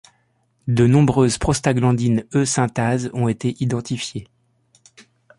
De nombreuses prostaglandines E synthases ont été identifiées.